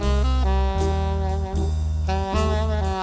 เอาให้คาวร่วมสูญ